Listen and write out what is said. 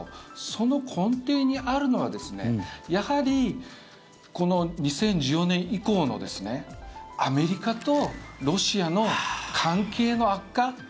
その根底にあるのはやはり、この２０１４年以降のアメリカとロシアの関係の悪化。